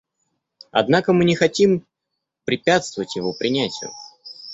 Однако мы не хотим препятствовать его принятию.